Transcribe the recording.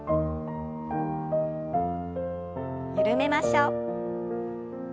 緩めましょう。